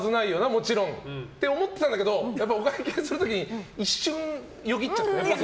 もちろんって思ってたんだけどお会計する時に一瞬よぎっちゃって。